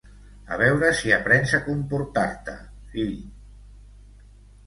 A veure si aprens a comportar-te, fill!